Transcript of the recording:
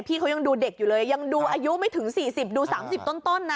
พี่เขายังดูเด็กอยู่เลยยังดูอายุไม่ถึง๔๐ดู๓๐ต้นนะ